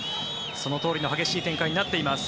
そのとおりの激しい展開になっています。